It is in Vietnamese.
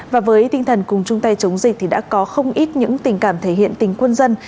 và với tinh thần cùng chung tay chống dịch thì đã có không ít những tình cảm thể hiện tình quân dân